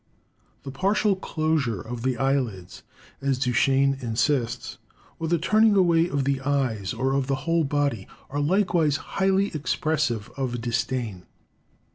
The partial closure of the eyelids, as Duchenne insists, or the turning away of the eyes or of the whole body, are likewise highly expressive of disdain.